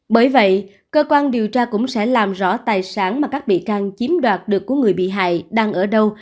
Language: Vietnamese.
bởi vậy cơ quan điều tra cũng sẽ làm rõ tài sản mà các bị can chiếm đoạt được của người bị hại đang ở đâu